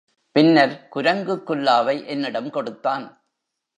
பின்னர் குரங்கு குல்லாவை என்னிடம் கொடுத்தான்.